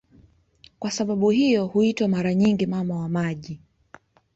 Kwa sababu hiyo huitwa mara nyingi "Mama wa miji".